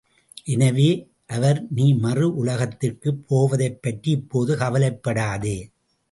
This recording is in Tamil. எனவே, அவர் நீ மறு உலகத்திற்குப் போவதைப்பற்றி இப்போது கவலைப்படாதே!